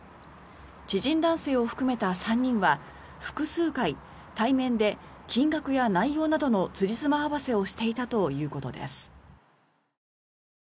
知人男性を含めた３人は複数回、対面で金額や内容などのつじつま合わせをしていたということです。